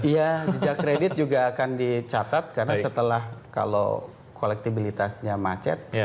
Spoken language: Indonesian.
ya jejak kredit juga akan dicatat karena setelah kalau kolektibilitasnya macet